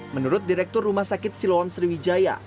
menurut direktur rumah sakit silom serwijaya